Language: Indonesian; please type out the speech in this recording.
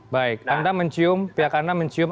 baik anda mencium pihak anda mencium